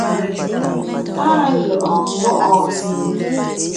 Áa jʉʼɔɔn páʼɔɔn.